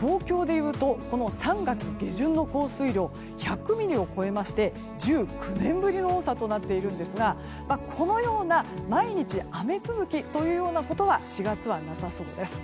東京でいうと３月下旬の降水量１００ミリを超えまして１９年ぶりの多さとなっていますがこのような毎日雨続きというようなことは４月はなさそうです。